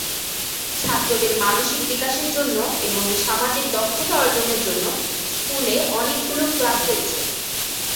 ছাত্রদের মানসিক বিকাশের জন্য এবং সামাজিক দক্ষতা অর্জনের জন্য স্কুলে অনেকগুলো ক্লাব রয়েছে।